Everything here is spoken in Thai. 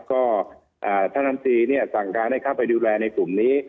ก็ท่านลำตีสั่งการให้เข้าไปดูแลในกลุ่มนี้